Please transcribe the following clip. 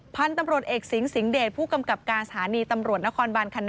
พันธุ์ตำรวจเอกสิงสิงหเดชผู้กำกับการสถานีตำรวจนครบานคณะ